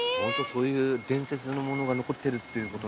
そういう伝説のものが残ってるっていうこと。